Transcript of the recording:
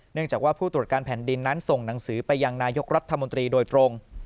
จากว่าผู้ตรวจการแผ่นดินนั้นส่งหนังสือไปยังนายกรัฐมนตรีโดยตรง